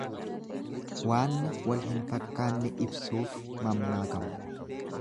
Waanna wal hin fakkaanne ibsuuf mammaakama.